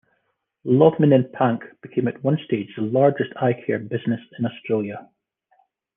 Laubman and Pank became at one stage the largest eye care business in Australia.